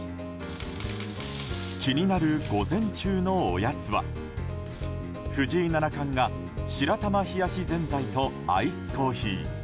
気になる午前中のおやつは藤井七冠が白玉冷やしぜんざいとアイスコーヒー。